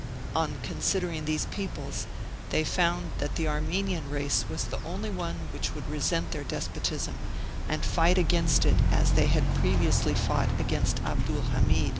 On considering these peoples, they found that the Armenian race was the only one which would resent their despotism, and fight against it as they pre viously fought against Abdul Hamid.